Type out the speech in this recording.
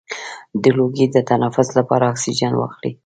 د لوګي د تنفس لپاره اکسیجن واخلئ